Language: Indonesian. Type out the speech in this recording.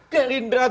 ke lindra dong